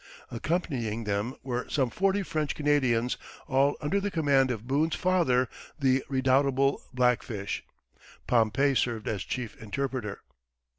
Accompanying them were some forty French Canadians, all under the command of Boone's "father," the redoubtable Black Fish. Pompey served as chief interpreter.